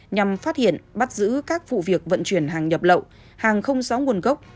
nhằm phát hiện bắt giữ các vụ việc vận chuyển hàng nhập lậu hàng không rõ nguồn gốc